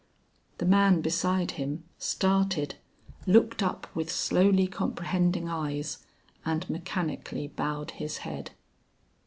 The man beside him, started, looked up with slowly comprehending eyes, and mechanically bowed his head.